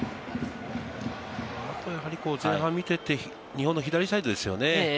前半を見ていて、日本の左サイドですよね。